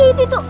ya itu itu